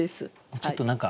ちょっと何か。